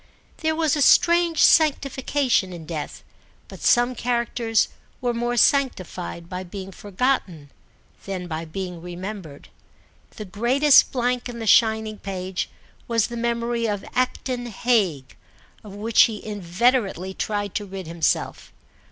There was a strange sanctification in death, but some characters were more sanctified by being forgotten than by being remembered. The greatest blank in the shining page was the memory of Acton Hague, of which he inveterately tried to rid himself.